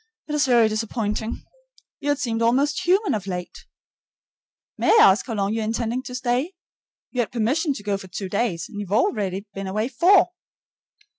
It's very disappointing. You had seemed almost human of late. May I ask how long you are intending to stay? You had permission to go for two days, and you've already been away four.